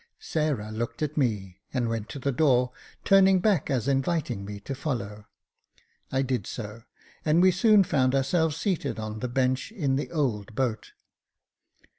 Sarah looked at me, and went to the door, turning back as inviting me to follow. I did so, and we soon found ourselves seated on the bench in the old boat.